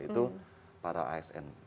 itu para asn